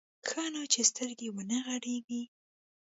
ښه نو چې سترګې ونه غړېږي.